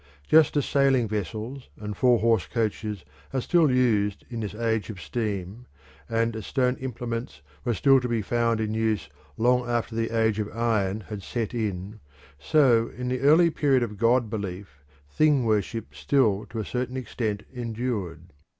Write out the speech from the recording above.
Just as sailing vessels and four horse coaches are still used in this age of steam, and as stone implements were still to be found in use long after the age of iron had set in, so in the early period of god belief thing worship still to a certain extent endured.